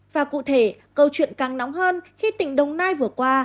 và cụ thể câu chuyện càng nóng hơn khi tỉnh đồng nai vừa qua